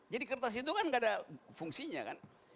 jadi kertas itu kan nggak ada fungsinya kan